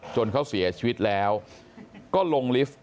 จนเขาเสียชีวิตแล้วก็ลงลิฟต์